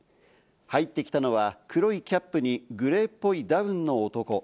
入ってきたのは黒いキャップにグレーっぽいダウンの男。